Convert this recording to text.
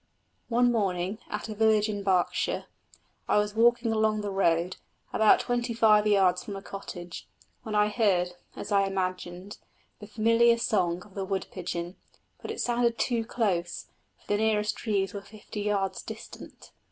One morning, at a village in Berkshire, I was walking along the road, about twenty five yards from a cottage, when I heard, as I imagined, the familiar song of the wood pigeon; but it sounded too close, for the nearest trees were fifty yards distant.